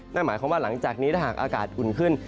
นั่นหมายความว่าหลังจากนี้ถ้าหากอากาศอุ่นขึ้น